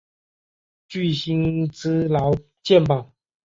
具薪资劳健保